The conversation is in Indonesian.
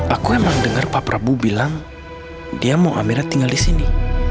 aku emang dengar pak prabowo bilang dia mau amera tinggal di sini